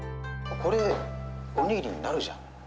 これ、おにぎりになるじゃん。